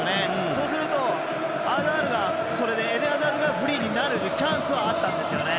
そうするとエデン・アザールがフリーになるチャンスはあったんですよね。